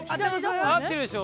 合ってるでしょ？